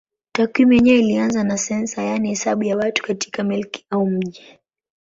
Takwimu yenyewe ilianza na sensa yaani hesabu ya watu katika milki au mji.